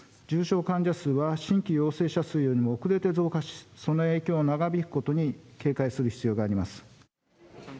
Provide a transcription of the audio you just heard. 重症患者数は新規陽性者数よりも遅れて増加し、その影響が長引くことに警戒する必要があります。